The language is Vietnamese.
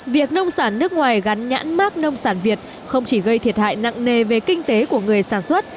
việc nông sản nước ngoài gắn nhãn mát nông sản việt không chỉ gây thiệt hại nặng nề về kinh tế của người sản xuất